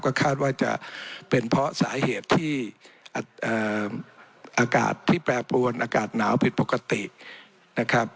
ก็คาดว่าจะเป็นเพราะสาเหตุที่อากาศที่แปรปรวนอากาศหนาวผิดปกตินะครับ